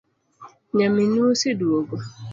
Nyaminu oseduogo?'